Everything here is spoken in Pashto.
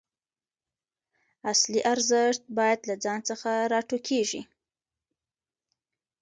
اصلي ارزښت باید له ځان څخه راټوکېږي.